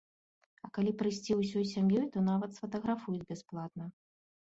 А калі прыйсці ўсёй сям'ёй, то нават сфатаграфуюць бясплатна.